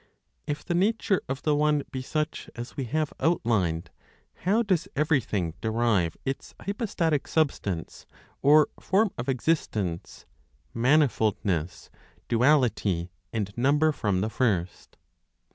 "If the nature of the One be such as we have outlined, how does everything derive its hypostatic substance (or, form of existence), manifoldness, duality, and number from the First?